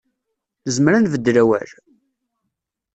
Nezmer ad nbeddel awal?